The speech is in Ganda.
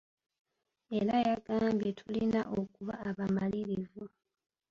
Era yagambye tulina okuba abamalirivu.